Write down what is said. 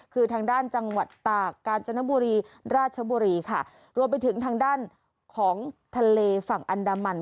คือทางด้านจังหวัดตากกาญจนบุรีราชบุรีค่ะรวมไปถึงทางด้านของทะเลฝั่งอันดามัน